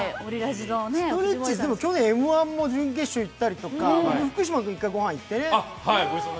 ストレッチーズ、去年、Ｍ−１も準決勝いったりとか、福島君もご飯行ったりね。